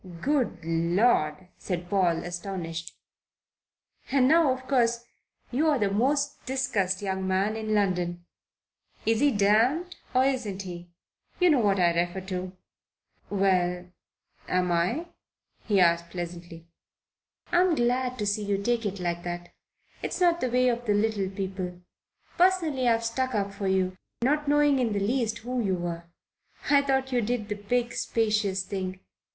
"Good Lord!" said Paul, astonished. "And now, of course, you're the most discussed young man in London. Is he damned or isn't he? You know what I refer to." "Well, am I?' he asked pleasantly. "I'm glad to see you take it like that. It's not the way of the little people. Personally, I've stuck up for you, not knowing in the least who you were. I thought you did the big, spacious thing.